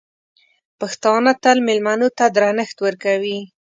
پښتانه تل مېلمنو ته درنښت ورکوي.